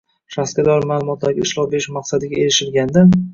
shaxsga doir ma’lumotlarga ishlov berish maqsadiga erishilganda;